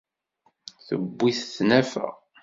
Tewwi-t tnafa.